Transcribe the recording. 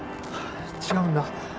違うんだ。